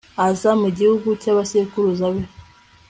aza mu gihugu cy'abasekuruza be